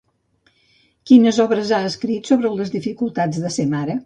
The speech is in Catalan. Quines obres ha escrit sobre les dificultats de ser mare?